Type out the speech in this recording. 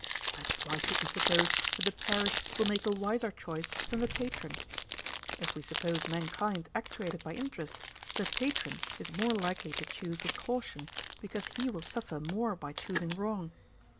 But why should we suppose that the parish will make a wiser choice than the patron? If we suppose mankind actuated by interest, the patron is more likely to choose with caution, because he will suffer more by choosing wrong.